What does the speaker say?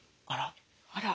あら。